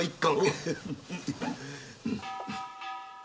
フフフ。